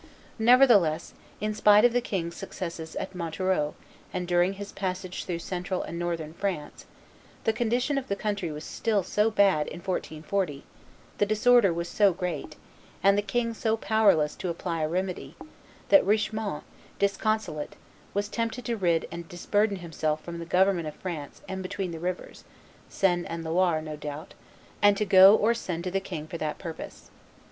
Nevertheless, in spite of the king's successes at Montereau and during his passage through Central and Northern France, the condition of the country was still so bad in 1440, the disorder was so great, and the king so powerless to apply a remedy, that Richemont, disconsolate, was tempted to rid and disburden himself from the government of France and between the rivers [Seine and Loire, no doubt] and to go or send to the king for that purpose.